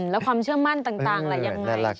แล้วความเชื่อมั่นต่างอะไรอย่างไรใช่ไหม